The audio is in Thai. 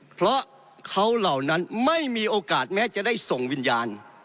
เพราะเขาเหล่านั้นไม่มีโอกาสแม้จะได้ส่งวิญญาณ